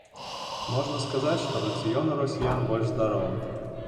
Можна сказаць, што рацыён у расіян больш здаровы.